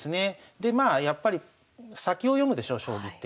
でまあやっぱり先を読むでしょ将棋って。